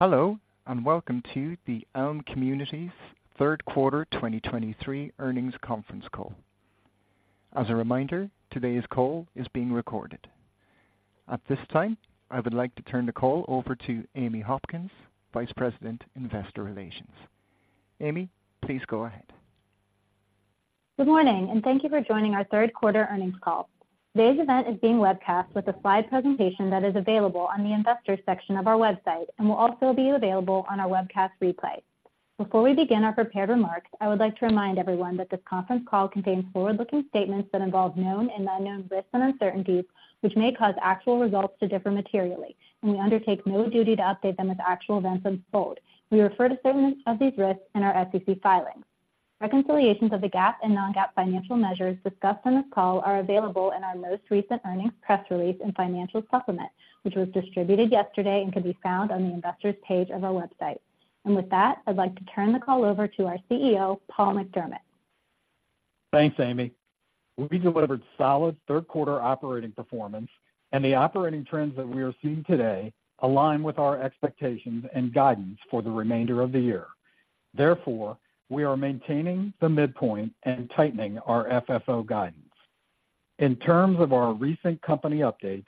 Hello, and welcome to the Elme Communities third quarter 2023 earnings conference call. As a reminder, today's call is being recorded. At this time, I would like to turn the call over to Amy Hopkins, Vice President, Investor Relations. Amy, please go ahead. Good morning, and thank you for joining our third quarter earnings call. Today's event is being webcast with a slide presentation that is available on the Investors section of our website and will also be available on our webcast replay. Before we begin our prepared remarks, I would like to remind everyone that this conference call contains forward-looking statements that involve known and unknown risks and uncertainties, which may cause actual results to differ materially, and we undertake no duty to update them as actual events unfold. We refer to statements of these risks in our SEC filings. Reconciliations of the GAAP and non-GAAP financial measures discussed on this call are available in our most recent earnings press release and financial supplement, which was distributed yesterday and can be found on the Investors page of our website. With that, I'd like to turn the call over to our CEO, Paul McDermott. Thanks, Amy. We delivered solid third quarter operating performance, and the operating trends that we are seeing today align with our expectations and guidance for the remainder of the year. Therefore, we are maintaining the midpoint and tightening our FFO guidance. In terms of our recent company updates,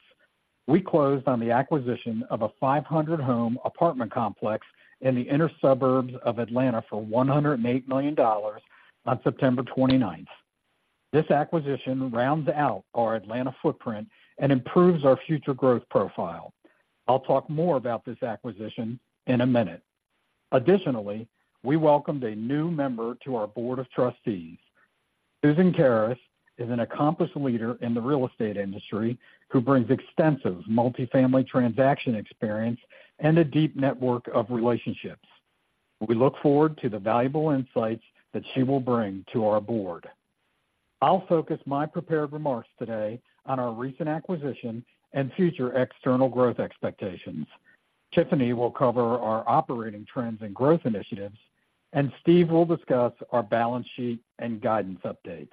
we closed on the acquisition of a 500-home apartment complex in the inner suburbs of Atlanta for $108 million on September 29. This acquisition rounds out our Atlanta footprint and improves our future growth profile. I'll talk more about this acquisition in a minute. Additionally, we welcomed a new member to our Board of Trustees. Susan carras is an accomplished leader in the real estate industry who brings extensive multifamily transaction experience and a deep network of relationships. We look forward to the valuable insights that she will bring to our board. I'll focus my prepared remarks today on our recent acquisition and future external growth expectations. Tiffany will cover our operating trends and growth initiatives, and Steve will discuss our balance sheet and guidance updates.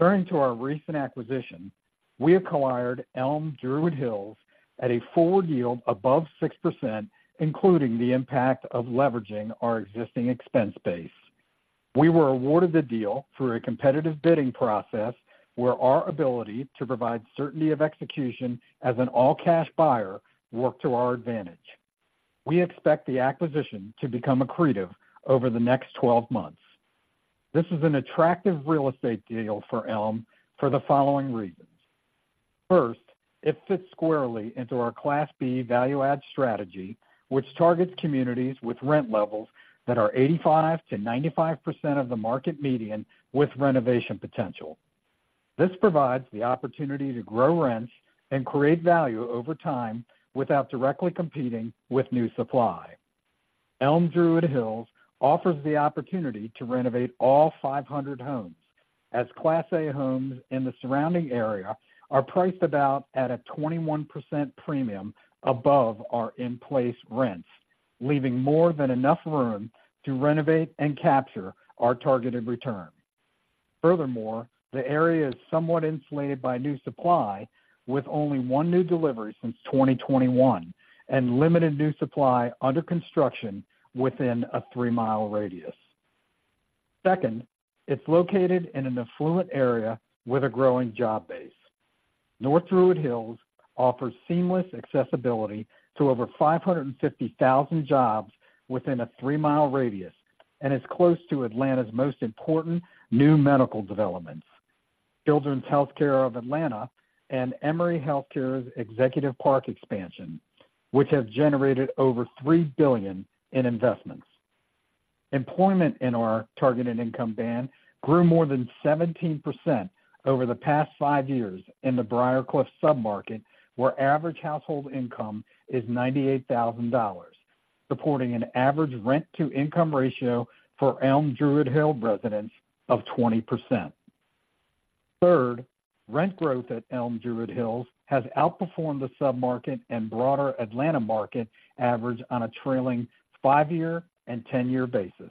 Turning to our recent acquisition, we acquired Elme Druid Hills at a forward yield above 6%, including the impact of leveraging our existing expense base. We were awarded the deal through a competitive bidding process, where our ability to provide certainty of execution as an all-cash buyer worked to our advantage. We expect the acquisition to become accretive over the next 12 months. This is an attractive real estate deal for Elme for the following reasons. First, it fits squarely into our Class B value add strategy, which targets communities with rent levels that are 85%-95% of the market median with renovation potential. This provides the opportunity to grow rents and create value over time without directly competing with new supply. Elme Druid Hills offers the opportunity to renovate all 500 homes, as Class A homes in the surrounding area are priced about at a 21% premium above our in-place rents, leaving more than enough room to renovate and capture our targeted return. Furthermore, the area is somewhat insulated by new supply, with only one new delivery since 2021 and limited new supply under construction within a three-mile radius. Second, it's located in an affluent area with a growing job base. North Druid Hills offers seamless accessibility to over 550,000 jobs within a three-mile radius and is close to Atlanta's most important new medical developments, Children's Healthcare of Atlanta and Emory Healthcare's Executive Park expansion, which has generated over $3 billion in investments. Employment in our targeted income band grew more than 17% over the past five years in the Briarcliff submarket, where average household income is $98,000, supporting an average rent-to-income ratio for Elme Druid Hills residents of 20%. Third, rent growth at Elme Druid Hills has outperformed the submarket and broader Atlanta market average on a trailing five year and 10-year basis.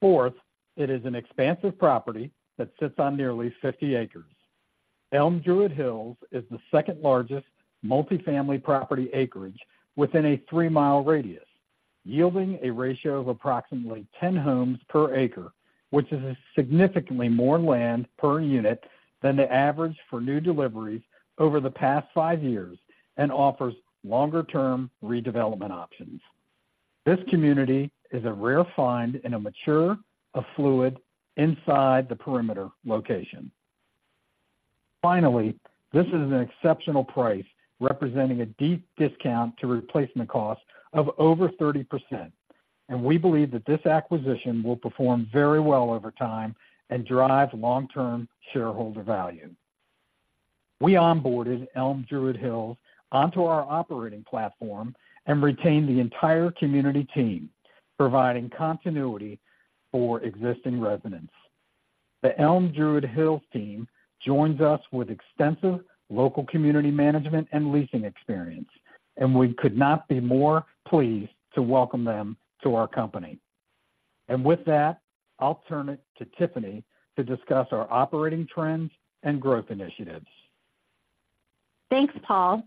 Fourth, it is an expansive property that sits on nearly 50 acres. Elme Druid Hills is the second-largest multifamily property acreage within a three mile radius, yielding a ratio of approximately 10 homes per acre, which is significantly more land per unit than the average for new deliveries over the past five years and offers longer-term redevelopment options. This community is a rare find in a mature, affluent, inside the perimeter location. Finally, this is an exceptional price, representing a deep discount to replacement cost of over 30%, and we believe that this acquisition will perform very well over time and drive long-term shareholder value. We onboarded Elme Druid Hills onto our operating platform and retained the entire community team, providing continuity for existing residents. The Elme Druid Hills team joins us with extensive local community management and leasing experience, and we could not be more pleased to welcome them to our company.... And with that, I'll turn it to Tiffany to discuss our operating trends and growth initiatives. Thanks, Paul.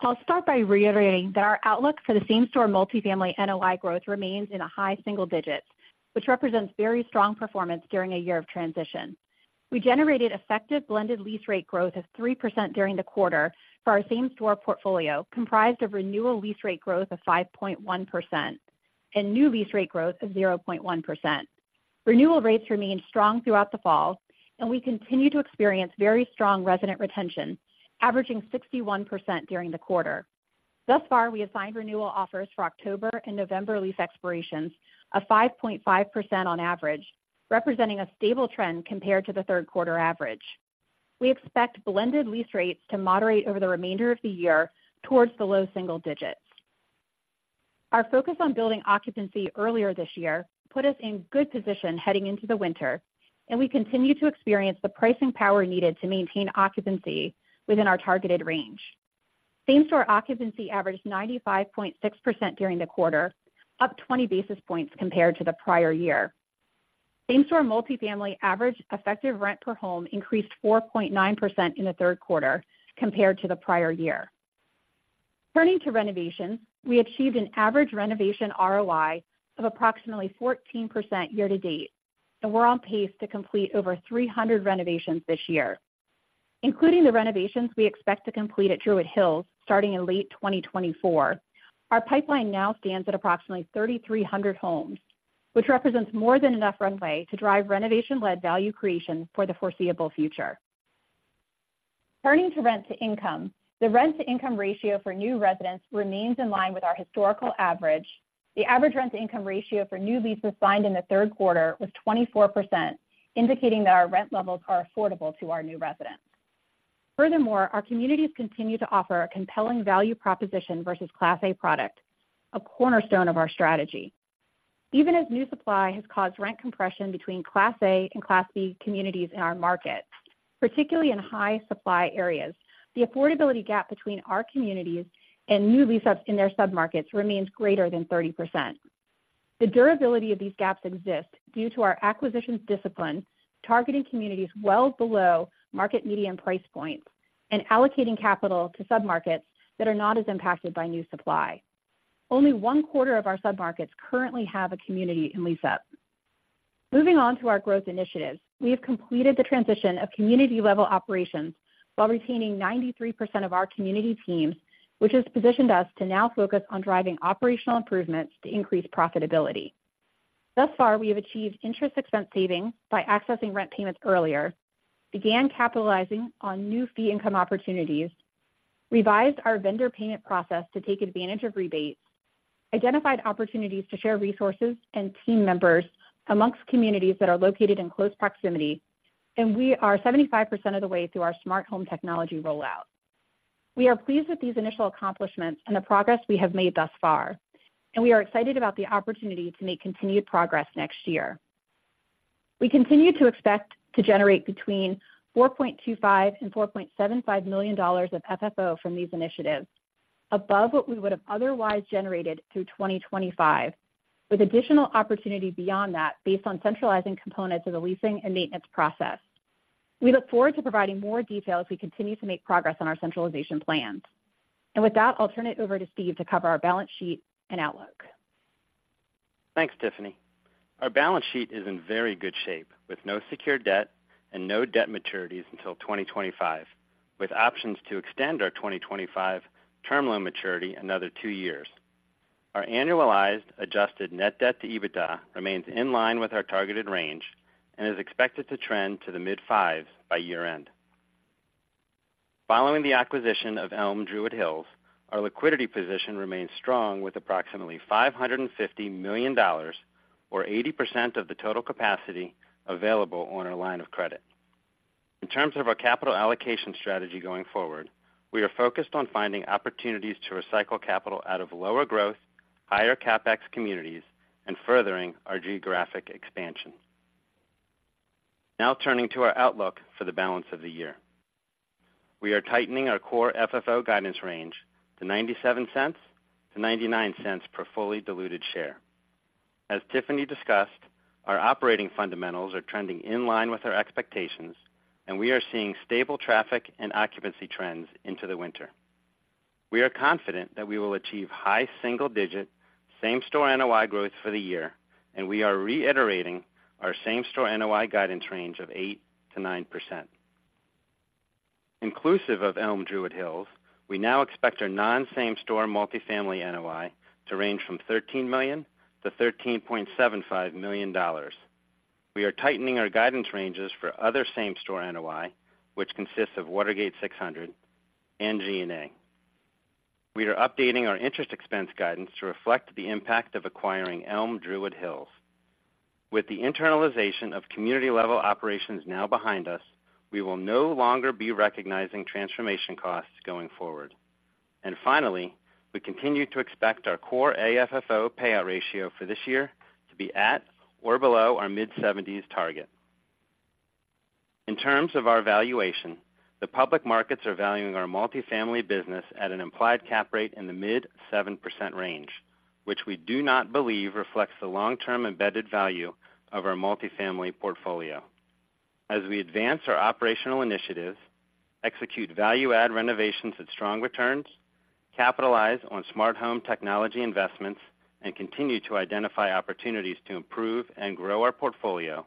I'll start by reiterating that our outlook for the same-store multifamily NOI growth remains in a high single digits, which represents very strong performance during a year of transition. We generated effective blended lease rate growth of 3% during the quarter for our same-store portfolio, comprised of renewal lease rate growth of 5.1% and new lease rate growth of 0.1%. Renewal rates remained strong throughout the fall, and we continue to experience very strong resident retention, averaging 61% during the quarter. Thus far, we have signed renewal offers for October and November lease expirations of 5.5% on average, representing a stable trend compared to the third quarter average. We expect blended lease rates to moderate over the remainder of the year towards the low single digits. Our focus on building occupancy earlier this year put us in good position heading into the winter, and we continue to experience the pricing power needed to maintain occupancy within our targeted range. Same-store occupancy averaged 95.6% during the quarter, up 20 basis points compared to the prior year. Same-store multifamily average effective rent per home increased 4.9% in the third quarter compared to the prior year. Turning to renovations, we achieved an average renovation ROI of approximately 14% year-to-date, and we're on pace to complete over 300 renovations this year. Including the renovations we expect to complete at Druid Hills starting in late 2024, our pipeline now stands at approximately 3,300 homes, which represents more than enough runway to drive renovation-led value creation for the foreseeable future. Turning to rent to income, the rent-to-income ratio for new residents remains in line with our historical average. The average rent-to-income ratio for new leases signed in the third quarter was 24%, indicating that our rent levels are affordable to our new residents. Furthermore, our communities continue to offer a compelling value proposition versus Class A product, a cornerstone of our strategy. Even as new supply has caused rent compression between Class A and Class B communities in our markets, particularly in high supply areas, the affordability gap between our communities and new lease-ups in their submarkets remains greater than 30%. The durability of these gaps exist due to our acquisitions discipline, targeting communities well below market median price points and allocating capital to submarkets that are not as impacted by new supply. Only one quarter of our submarkets currently have a community in lease-up. Moving on to our growth initiatives. We have completed the transition of community-level operations while retaining 93% of our community teams, which has positioned us to now focus on driving operational improvements to increase profitability. Thus far, we have achieved interest expense savings by accessing rent payments earlier, began capitalizing on new fee income opportunities, revised our vendor payment process to take advantage of rebates, identified opportunities to share resources and team members amongst communities that are located in close proximity, and we are 75% of the way through our smart home technology rollout. We are pleased with these initial accomplishments and the progress we have made thus far, and we are excited about the opportunity to make continued progress next year. We continue to expect to generate between $4.25 million and $4.75 million of FFO from these initiatives, above what we would have otherwise generated through 2025, with additional opportunity beyond that based on centralizing components of the leasing and maintenance process. We look forward to providing more detail as we continue to make progress on our centralization plans. With that, I'll turn it over to Steve to cover our balance sheet and outlook. Thanks, Tiffany. Our balance sheet is in very good shape, with no secured debt and no debt maturities until 2025, with options to extend our 2025 term loan maturity another two years. Our annualized adjusted net debt to EBITDA remains in line with our targeted range and is expected to trend to the mid-5s by year-end. Following the acquisition of Elme Druid Hills, our liquidity position remains strong, with approximately $550 million, or 80% of the total capacity available on our line of credit. In terms of our capital allocation strategy going forward, we are focused on finding opportunities to recycle capital out of lower growth, higher CapEx communities, and furthering our geographic expansion. Now turning to our outlook for the balance of the year. We are tightening our core FFO guidance range to $0.97-$0.99 per fully diluted share. As Tiffany discussed, our operating fundamentals are trending in line with our expectations, and we are seeing stable traffic and occupancy trends into the winter. We are confident that we will achieve high single digit same-store NOI growth for the year, and we are reiterating our same-store NOI guidance range of 8%-9%. Inclusive of Elme Druid Hills, we now expect our non-same-store multifamily NOI to range from $13 million-$13.75 million. We are tightening our guidance ranges for other same-store NOI, which consists of Watergate 600 and G&A. We are updating our interest expense guidance to reflect the impact of acquiring Elme Druid Hills. With the internalization of community-level operations now behind us, we will no longer be recognizing transformation costs going forward. Finally, we continue to expect our core AFFO payout ratio for this year to be at or below our mid-70s target... In terms of our valuation, the public markets are valuing our multifamily business at an implied cap rate in the mid-7% range, which we do not believe reflects the long-term embedded value of our multifamily portfolio. As we advance our operational initiatives, execute value-add renovations with strong returns, capitalize on smart home technology investments, and continue to identify opportunities to improve and grow our portfolio,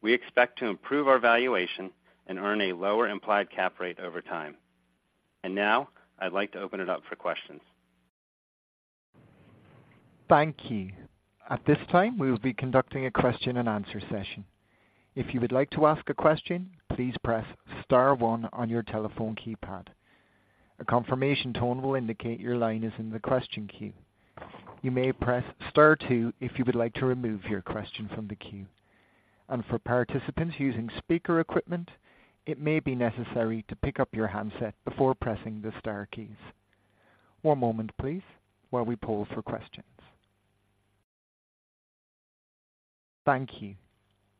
we expect to improve our valuation and earn a lower implied cap rate over time. And now, I'd like to open it up for questions. Thank you. At this time, we will be conducting a question-and-answer session. If you would like to ask a question, please press star one on your telephone keypad. A confirmation tone will indicate your line is in the question queue. You may press star two if you would like to remove your question from the queue. For participants using speaker equipment, it may be necessary to pick up your handset before pressing the star keys. One moment, please, while we poll for questions. Thank you.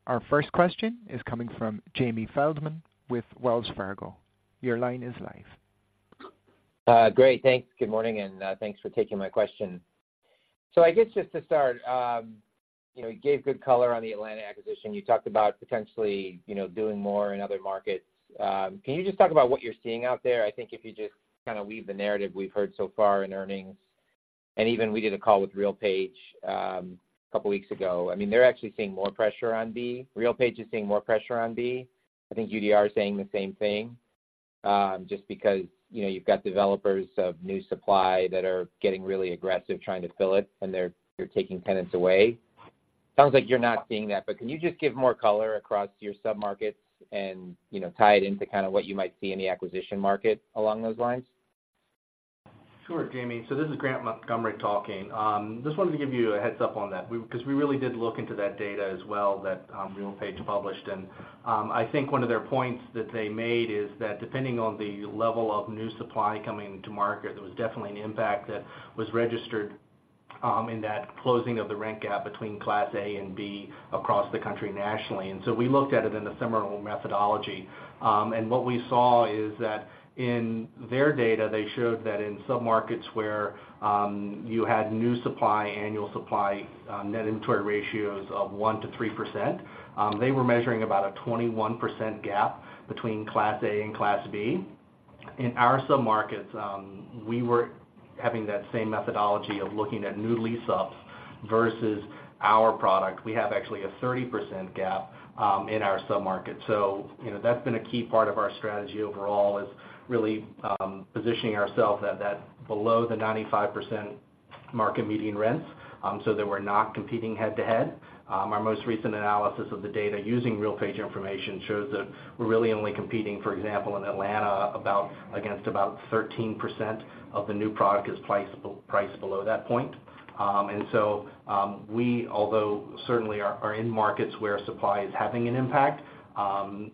Our first question is coming from Jamie Feldman with Wells Fargo. Your line is live. Great, thanks. Good morning, and thanks for taking my question. I guess just to start, you know, you gave good color on the Atlanta acquisition. You talked about potentially, you know, doing more in other markets. Can you just talk about what you're seeing out there? I think if you just kind of weave the narrative we've heard so far in earnings, and even we did a call with RealPage a couple weeks ago. I mean, they're actually seeing more pressure on B. RealPage is seeing more pressure on B. I think UDR is saying the same thing, just because, you know, you've got developers of new supply that are getting really aggressive trying to fill it, and they're taking tenants away. Sounds like you're not seeing that, but can you just give more color across your submarkets and, you know, tie it into kind of what you might see in the acquisition market along those lines? Sure, Jamie. So this is Grant Montgomery talking. Just wanted to give you a heads up on that because we really did look into that data as well, that RealPage published. And I think one of their points that they made is that depending on the level of new supply coming to market, there was definitely an impact that was registered in that closing of the rent gap between Class A and B across the country nationally. So we looked at it in a similar methodology, and what we saw is that in their data, they showed that in submarkets where you had new supply, annual supply, net inventory ratios of 1%-3%, they were measuring about a 21% gap between Class A and Class B. In our submarkets, we were having that same methodology of looking at new lease ups versus our product. We have actually a 30% gap in our submarket. So, you know, that's been a key part of our strategy overall, is really positioning ourselves at that below the 95% market median rents, so that we're not competing head-to-head. Our most recent analysis of the data using RealPage information shows that we're really only competing, for example, in Atlanta, against about 13% of the new product is priced below that point. And so, we, although certainly are in markets where supply is having an impact,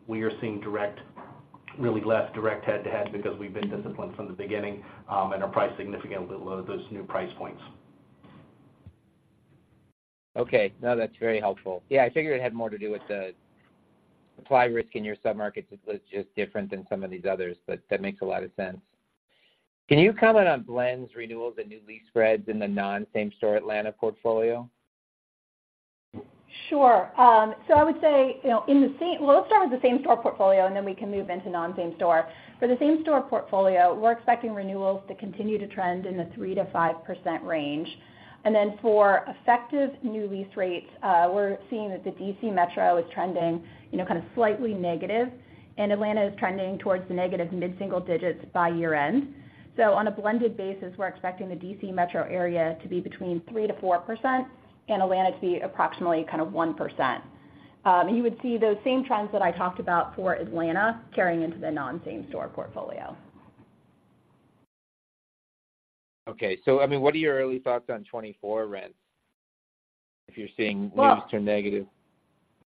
we are seeing direct, really less direct head-to-head because we've been disciplined from the beginning, and are priced significantly below those new price points. Okay. No, that's very helpful. Yeah, I figured it had more to do with the supply risk in your submarkets was just different than some of these others, but that makes a lot of sense. Can you comment on blends, renewals, and new lease spreads in the non-same store Atlanta portfolio? Sure. So I would say, you know, well, let's start with the same-store portfolio, and then we can move into non-same store. For the same-store portfolio, we're expecting renewals to continue to trend in the 3%-5% range. And then for effective new lease rates, we're seeing that the DC Metro is trending, you know, kind of slightly negative, and Atlanta is trending towards the negative mid-single digits by year-end. So on a blended basis, we're expecting the DC Metro area to be between 3%-4% and Atlanta to be approximately kind of 1%. And you would see those same trends that I talked about for Atlanta carrying into the non-same store portfolio. Okay. I mean, what are your early thoughts on 2024 rents if you're seeing- Well- - leases turn negative?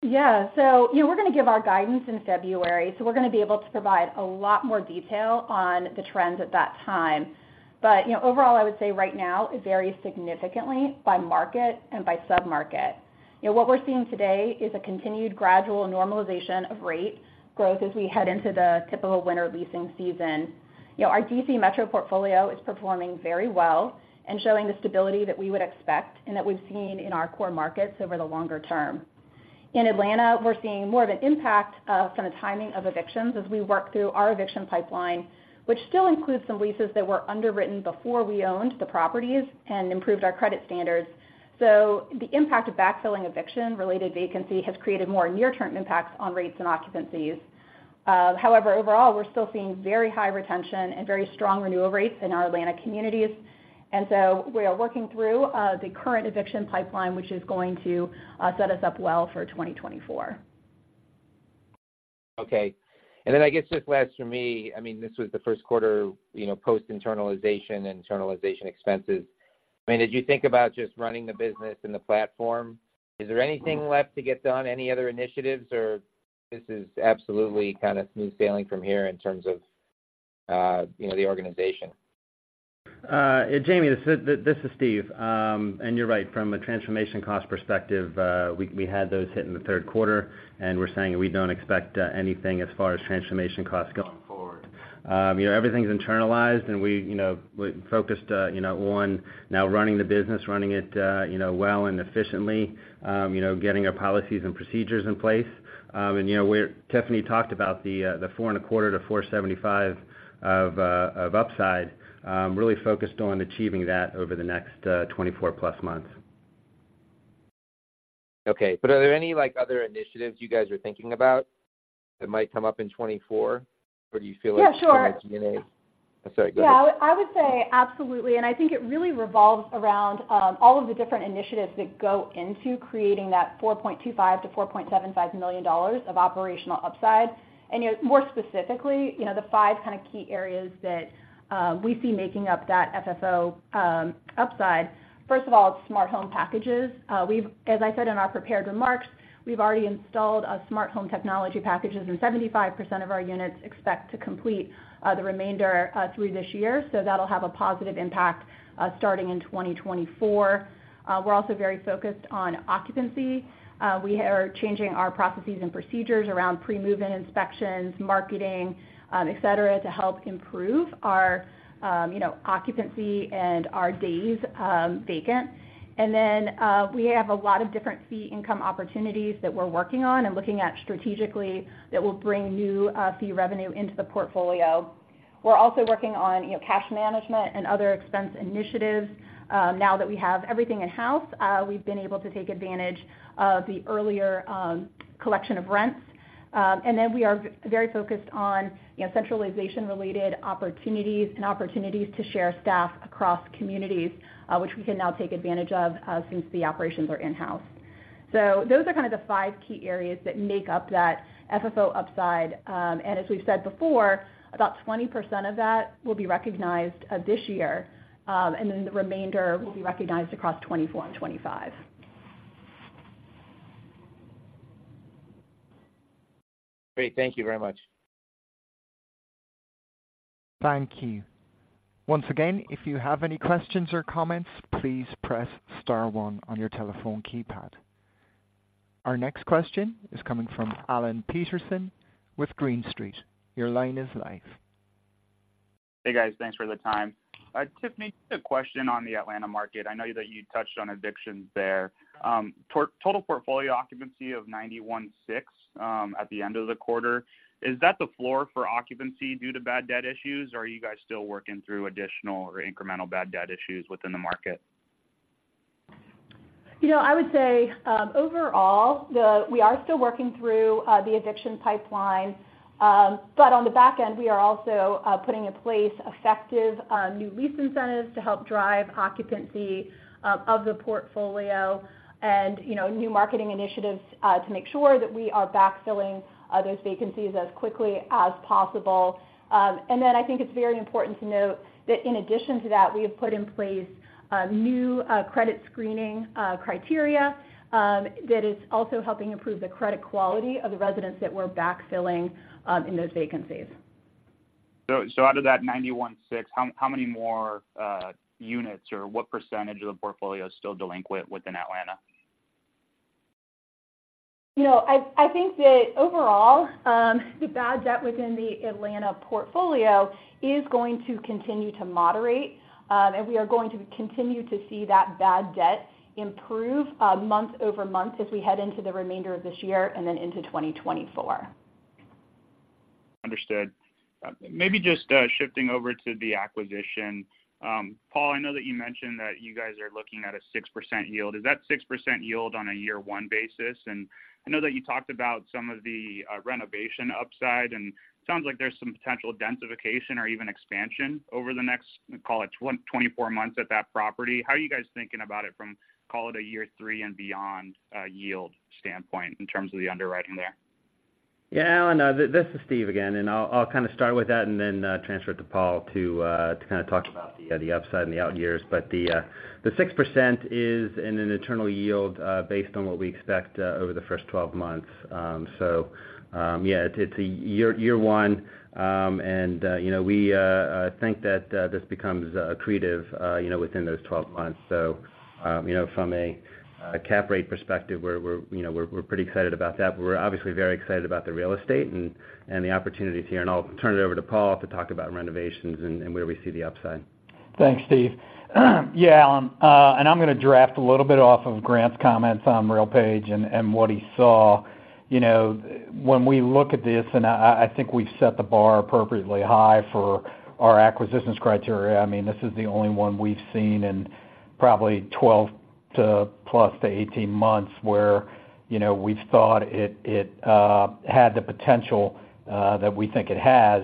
Yeah. So, you know, we're going to give our guidance in February, so we're going to be able to provide a lot more detail on the trends at that time. But, you know, overall, I would say right now, it varies significantly by market and by submarket. You know, what we're seeing today is a continued gradual normalization of rate growth as we head into the typical winter leasing season. You know, our DC Metro portfolio is performing very well and showing the stability that we would expect and that we've seen in our core markets over the longer term. In Atlanta, we're seeing more of an impact of kind of timing of evictions as we work through our eviction pipeline, which still includes some leases that were underwritten before we owned the properties and improved our credit standards. So the impact of backfilling eviction-related vacancy has created more near-term impacts on rates and occupancies. However, overall, we're still seeing very high retention and very strong renewal rates in our Atlanta communities. And so we are working through the current eviction pipeline, which is going to set us up well for 2024. Okay. And then I guess just last for me, I mean, this was the first quarter, you know, post-internalization and internalization expenses. I mean, as you think about just running the business and the platform, is there anything left to get done, any other initiatives, or this is absolutely kind of smooth sailing from here in terms of, you know, the organization? Jamie, this is Steve. You're right, from a transformation cost perspective, we had those hit in the third quarter, and we're saying we don't expect anything as far as transformation costs going forward. You know, everything's internalized, and we, you know, we're focused, you know, on now running the business, running it, you know, well and efficiently, you know, getting our policies and procedures in place. You know, we're—Tiffany talked about the 4.25-4.75 of upside, really focused on achieving that over the next 24+ months. Okay. But are there any, like, other initiatives you guys are thinking about that might come up in 2024? Or do you feel like- Yeah, sure. I'm sorry, go ahead. Yeah, I would, I would say absolutely, and I think it really revolves around all of the different initiatives that go into creating that $4.25 million-$4.75 million of operational upside. And, you know, more specifically, you know, the five kind of key areas that we see making up that FFO upside. First of all, it's smart home packages. As I said in our prepared remarks, we've already installed a smart home technology packages, and 75% of our units expect to complete the remainder through this year. So that'll have a positive impact starting in 2024. We're also very focused on occupancy. We are changing our processes and procedures around pre-move-in inspections, marketing, et cetera, to help improve our, you know, occupancy and our days vacant. We have a lot of different fee income opportunities that we're working on and looking at strategically that will bring new, fee revenue into the portfolio. We're also working on, you know, cash management and other expense initiatives. Now that we have everything in-house, we've been able to take advantage of the earlier collection of rents. We are very focused on, you know, centralization related opportunities and opportunities to share staff across communities, which we can now take advantage of, since the operations are in-house. So those are kind of the five key areas that make up that FFO upside. As we've said before, about 20% of that will be recognized, this year, and then the remainder will be recognized across 2024 and 2025. Great. Thank you very much. Thank you. Once again, if you have any questions or comments, please press star one on your telephone keypad. Our next question is coming from Alan Peterson with Green Street. Your line is live. Hey, guys, thanks for the time. Tiffany, a question on the Atlanta market. I know that you touched on evictions there. Total portfolio occupancy of 91.6% at the end of the quarter. Is that the floor for occupancy due to bad debt issues, or are you guys still working through additional or incremental bad debt issues within the market? You know, I would say, overall, we are still working through the eviction pipeline, but on the back end, we are also putting in place effective new lease incentives to help drive occupancy of the portfolio and, you know, new marketing initiatives to make sure that we are backfilling those vacancies as quickly as possible. And then I think it's very important to note that in addition to that, we have put in place new credit screening criteria that is also helping improve the credit quality of the residents that we're backfilling in those vacancies. So, out of that 91.6, how many more units or what percentage of the portfolio is still delinquent within Atlanta? You know, I think that overall, the bad debt within the Atlanta portfolio is going to continue to moderate, and we are going to continue to see that bad debt improve, month-over-month as we head into the remainder of this year and then into 2024. Understood. Maybe just shifting over to the acquisition. Paul, I know that you guys are looking at a 6% yield. Is that 6% yield on a year one basis? And I know that you talked about some of the renovation upside, and it sounds like there's some potential densification or even expansion over the next, call it, 24 months at that property. How are you guys thinking about it from, call it, a year three and beyond yield standpoint in terms of the underwriting there? Yeah, Alan, this is Steve again, and I'll start with that and then transfer it to Paul to talk about the upside and the out years. But the 6% is an internal yield based on what we expect over the first 12 months. So, yeah, it's a year, year one, and you know, we think that this becomes accretive, you know, within those 12 months. So, you know, from a cap rate perspective, we're pretty excited about that. But we're obviously very excited about the real estate and the opportunities here, and I'll turn it over to Paul to talk about renovations and where we see the upside. Thanks, Steve. Yeah, Alan, I'm gonna draft a little bit off of Grant's comments on RealPage and what he saw. You know, when we look at this, I think we've set the bar appropriately high for our acquisitions criteria. I mean, this is the only one we've seen in probably 12-plus to 18 months, where, you know, we've thought it had the potential that we think it has.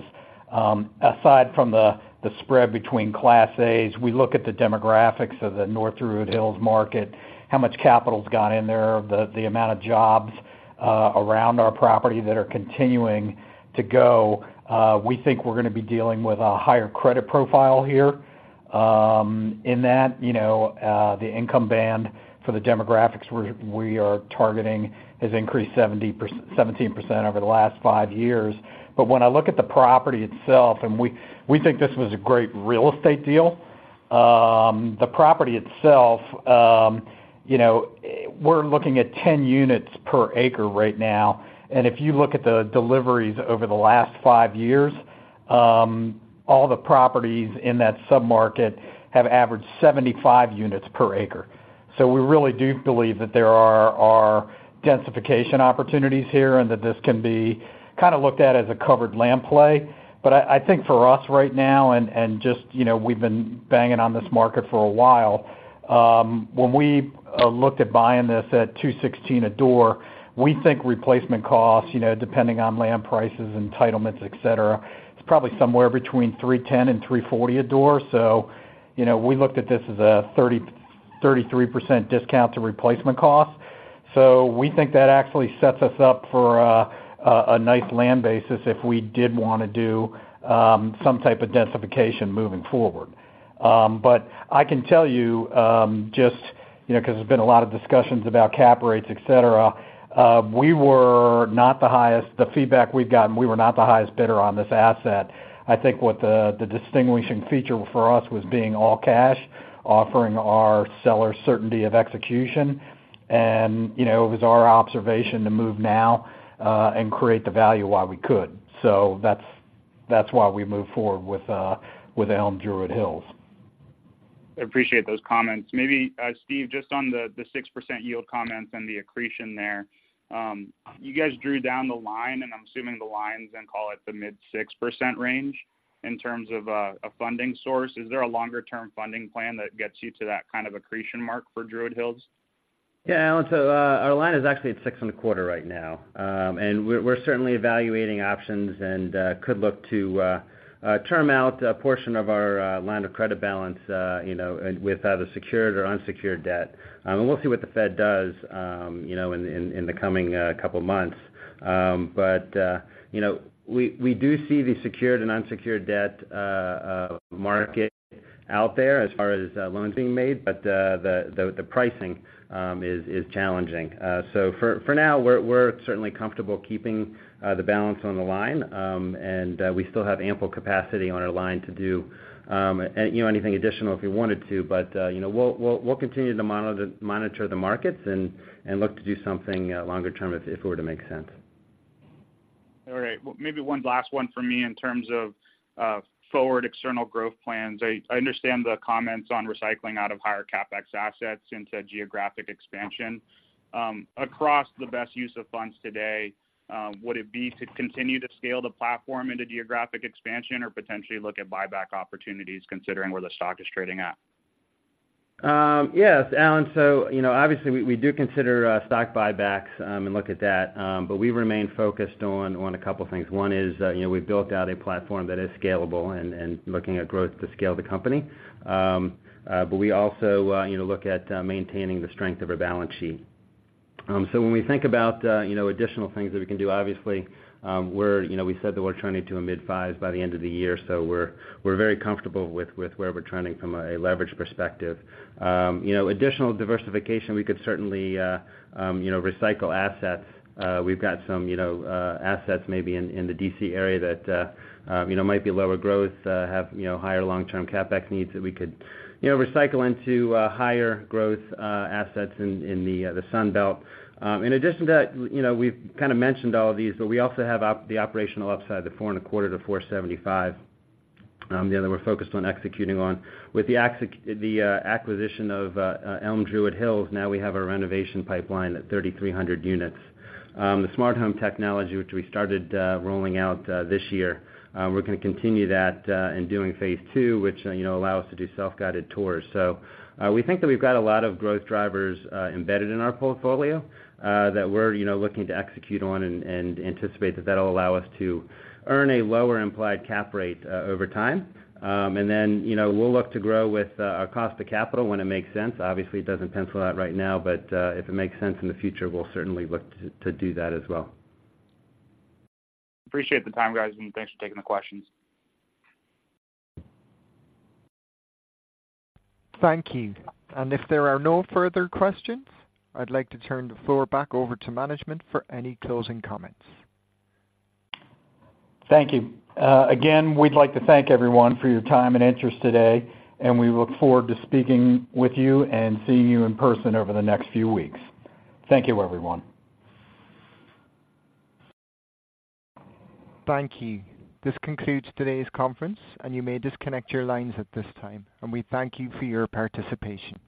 Aside from the spread between Class A's, we look at the demographics of the North Druid Hills market, how much capital's gone in there, the amount of jobs around our property that are continuing to go. We think we're gonna be dealing with a higher credit profile here. In that, you know, the income band for the demographics we're targeting has increased 17% over the last five years. But when I look at the property itself, and we think this was a great real estate deal. The property itself, you know, we're looking at 10 units per acre right now, and if you look at the deliveries over the last five years, all the properties in that submarket have averaged 75 units per acre. So we really do believe that there are densification opportunities here, and that this can be kind of looked at as a covered land play. I think for us right now, and just, you know, we've been banging on this market for a while, when we looked at buying this at $216,000 a door, we think replacement costs, you know, depending on land prices, entitlements, et cetera, it's probably somewhere between $310,000-$340,000 a door. You know, we looked at this as a 30-33% discount to replacement cost. We think that actually sets us up for a nice land basis if we did wanna do, you know, some type of densification moving forward. I can tell you, just, you know, because there's been a lot of discussions about cap rates, et cetera, we were not the highest—the feedback we've gotten, we were not the highest bidder on this asset. I think what the distinguishing feature for us was being all cash, offering our sellers certainty of execution, and, you know, it was our observation to move now and create the value while we could. So that's why we moved forward with Elme Druid Hills. I appreciate those comments. Maybe, Steve, just on the, the 6% yield comments and the accretion there. You guys drew down the line, and I'm assuming the lines then call it the mid-6% range in terms of a, a funding source. Is there a longer-term funding plan that gets you to that kind of accretion mark for Druid Hills? Yeah, Alan, so, our line is actually at 6.25 right now. And we're certainly evaluating options and could look to term out a portion of our line of credit balance, you know, with either secured or unsecured debt. And we'll see what the Fed does, you know, in the coming couple months. But, you know, we do see the secured and unsecured debt market out there as far as loans being made, but the pricing is challenging. So for now, we're certainly comfortable keeping the balance on the line, and we still have ample capacity on our line to do, you know, anything additional if we wanted to. But, you know, we'll continue to monitor the markets and look to do something longer term if it were to make sense. All right. Well, maybe one last one for me in terms of forward external growth plans. I understand the comments on recycling out of higher CapEx assets into geographic expansion. Across the best use of funds today, would it be to continue to scale the platform into geographic expansion or potentially look at buyback opportunities considering where the stock is trading at? Yes, Alan, so you know, obviously, we do consider stock buybacks and look at that, but we remain focused on a couple things. One is, you know, we've built out a platform that is scalable and looking at growth to scale the company. But we also, you know, look at maintaining the strength of our balance sheet. So when we think about, you know, additional things that we can do, obviously, we're, you know, we said that we're turning to a mid five by the end of the year, so we're very comfortable with where we're trending from a leverage perspective. You know, additional diversification, we could certainly, you know, recycle assets. We've got some, you know, assets maybe in the DC area that, you know, might be lower growth, have, you know, higher long-term CapEx needs that we could, you know, recycle into higher growth assets in the Sun Belt. In addition to that, you know, we've kind of mentioned all of these, but we also have the operational upside, the $4.25-$4.75 that we're focused on executing on. With the acquisition of Elme Druid Hills, now we have a renovation pipeline at 3,300 units. The smart home technology, which we started rolling out this year, we're gonna continue that in doing phase two, which, you know, allow us to do self-guided tours. So, we think that we've got a lot of growth drivers, embedded in our portfolio, that we're, you know, looking to execute on and, and anticipate that that'll allow us to earn a lower implied cap rate, over time. And then, you know, we'll look to grow with, our cost of capital when it makes sense. Obviously, it doesn't pencil out right now, but, if it makes sense in the future, we'll certainly look to, to do that as well. Appreciate the time, guys, and thanks for taking the questions. Thank you. If there are no further questions, I'd like to turn the floor back over to management for any closing comments. Thank you. Again, we'd like to thank everyone for your time and interest today, and we look forward to speaking with you and seeing you in person over the next few weeks. Thank you, everyone. Thank you. This concludes today's conference, and you may disconnect your lines at this time, and we thank you for your participation.